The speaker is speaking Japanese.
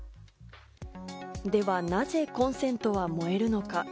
では、なぜコンセントは燃えるのか。